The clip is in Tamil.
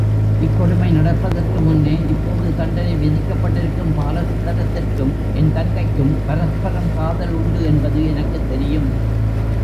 இக்கொடுமை நடப்பதற்குமுன்னே இப்போது தண்டனை விதிக்கப்பட்டிருக்கும் பாலசுந்தரத்திற்கும் என் தங்கைக்கும் பரஸ்பரம் காதல் உண்டு என்பது எனக்குத் தெரியும்.